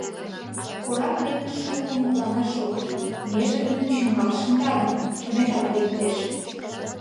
Корак дене шуко мутланаш ок лий, нерже дене чӱҥгал шында гын, чонетат лектеш.